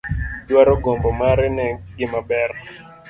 Dwaro gombo mare ne gima ber.